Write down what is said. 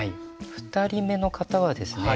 ２人目の方はですね